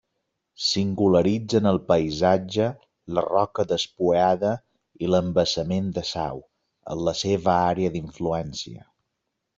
Singularitzen el paisatge la roca despullada i l'embassament de Sau, amb la seva àrea d'influència.